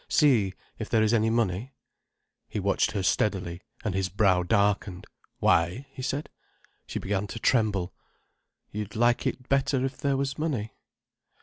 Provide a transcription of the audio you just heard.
"See if there is any money." He watched her steadily, and his brow darkened. "Why?" he said. She began to tremble. "You'd like it better if there was money."